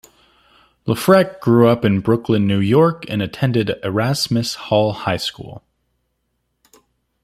LeFrak grew up in Brooklyn, New York, and attended Erasmus Hall High School.